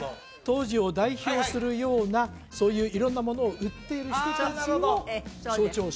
当時を代表するようなそういう色んなものを売っている人達を象徴してる？